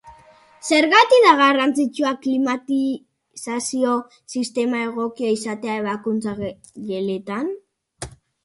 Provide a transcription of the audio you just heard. Zergatik da garrantzitsua klimatizazio-sistema egokia izatea ebakuntza-geletan?